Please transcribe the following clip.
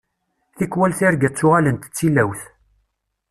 Tikwal tirga ttuɣalent d tilawt.